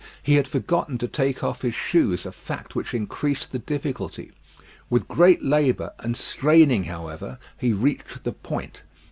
He had forgotten to take off his shoes, a fact which increased the difficulty. With great labour and straining, however, he reached the point.